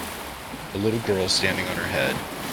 A little girl standing on her head.